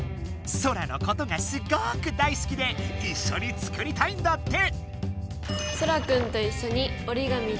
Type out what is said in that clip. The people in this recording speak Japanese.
ソラのことがすごく大好きでいっしょにつくりたいんだって。